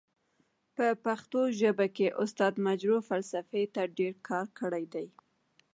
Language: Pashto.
په پښتو ژبه کې استاد مجرح فلسفې ته ډير کار کړی دی.